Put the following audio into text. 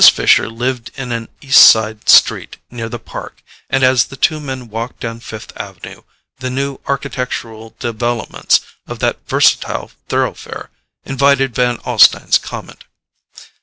Fisher lived in an East side street near the Park, and as the two men walked down Fifth Avenue the new architectural developments of that versatile thoroughfare invited Van Alstyne's comment.